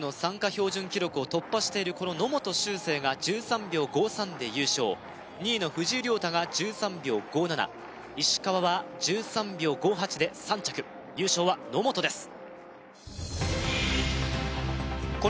標準記録を突破しているこの野本周成が１３秒５３で優勝２位の藤井亮汰が１３秒５７石川は１３秒５８で３着優勝は野本です